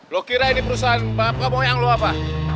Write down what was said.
lo kira ini perusahaan apa apa